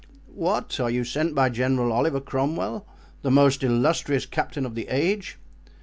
What! are you sent by General Oliver Cromwell, the most illustrious captain of the age?"